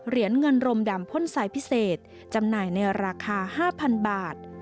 เหรียญเงินรมดำพ่นสายพิเศษจำหน่ายในราคา๕๐๐๐บาท